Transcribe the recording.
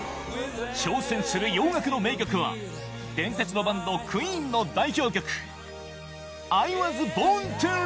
挑戦する「洋楽」の名曲は伝説のバンドＱＵＥＥＮの代表曲